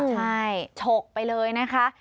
ใช่ฉกไปเลยนะคะ